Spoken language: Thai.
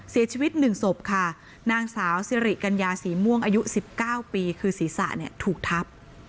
เสียชีวิต๑ศพค่ะนางสาวสิริกัญญาสีม่วงอายุ๑๙ปีคือศีรษะเนี่ยถูกทับ